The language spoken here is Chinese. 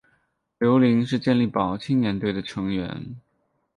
刘麟是健力宝青年队的成员。